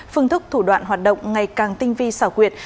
phương thức thủ đoạn hoạt động ngày càng tinh vi xảo quyệt